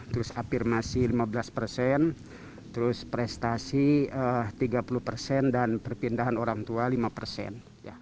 terus afirmasi lima belas persen terus prestasi tiga puluh persen dan perpindahan orang tua lima persen